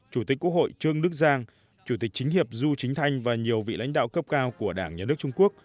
chủ tịch quốc hội trương đức giang chủ tịch chính hiệp du chính thanh và nhiều vị lãnh đạo cấp cao của đảng nhà nước trung quốc